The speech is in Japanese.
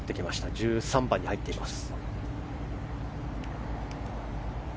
１３番に入っています。